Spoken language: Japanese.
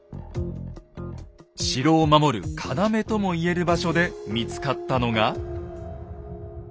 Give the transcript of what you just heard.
城を守る要とも言える場所で見つかったのが。